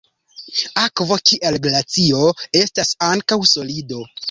Akvo, kiel glacio, estas ankaŭ solido.